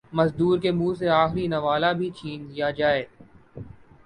مزدور کے منہ سے آخری نوالہ بھی چھین لیا جائے